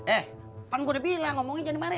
eh kan gue udah bilang ngomongin aja dimarin